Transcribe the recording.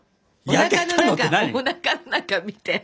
おなかの中おなかの中見て。